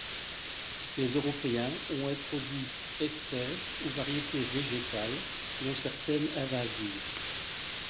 Les Européens ont introduit espèces ou variétés végétales, dont certaines invasives.